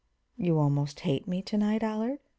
"You almost hate me to night, Allard?"